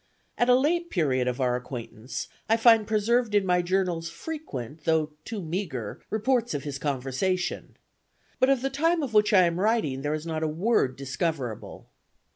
At a late period of our acquaintance, I find preserved in my journals frequent though too meagre reports of his conversation. But of the time of which I am writing there is not a word discoverable.